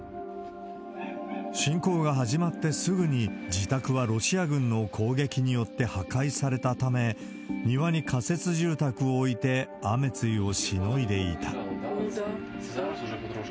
侵攻が始まってすぐに、自宅はロシア軍の攻撃によって破壊されたため、庭に仮設住宅を置いて雨露をしのいでいた。